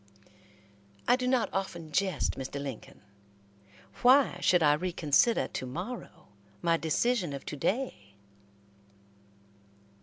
"I do not often jest, Mr. Lincoln. Why should I reconsider to morrow my decision of to day."